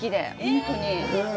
本当に。